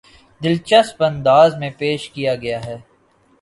دلچسپ انداز میں پیش کیا گیا ہے